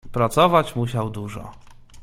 "Pracować musiał dużo."